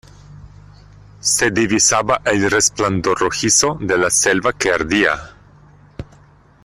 se divisaba el resplandor rojizo de la selva que ardía.